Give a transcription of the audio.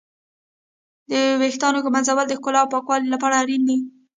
د ويښتانو ږمنځول د ښکلا او پاکوالي لپاره اړين دي.